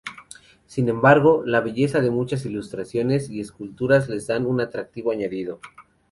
Sin embargo, la belleza de muchas ilustraciones y esculturas les dan un atractivo añadido.